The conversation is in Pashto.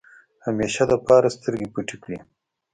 همېشه دپاره سترګې پټې کړې ۔